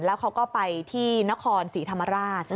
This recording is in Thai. แล้วเขาก็ไปที่นครศรีธรรมราช